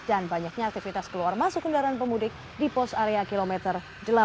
dan banyaknya aktivitas keluar masuk kendaraan pemudik di pos area kilometer delapan puluh delapan